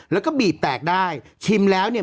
แล้วก็บีบแตกได้ชิมแล้วเนี่ย